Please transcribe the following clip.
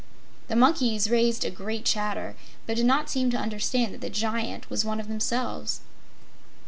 The monkeys raised a great chatter but did not seem to understand that the Giant was one of themselves.